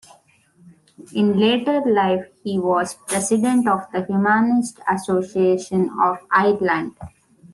In later life he was president of the Humanist Association of Ireland.